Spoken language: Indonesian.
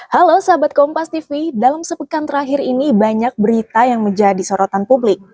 halo sahabat kompas tv dalam sepekan terakhir ini banyak berita yang menjadi sorotan publik